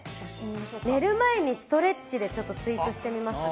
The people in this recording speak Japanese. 寝る前にストレッチで、ちょっとツイートしてみますね。